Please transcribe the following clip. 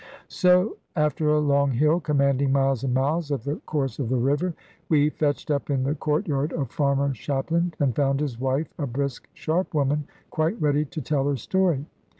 So after a long hill, commanding miles and miles of the course of the river, we fetched up in the courtyard of Farmer Shapland, and found his wife a brisk sharp woman, quite ready to tell her story.